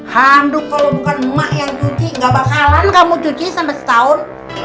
handuk kalau bukan emak yang cuti enggak bakalan kamu cuci sampai setahun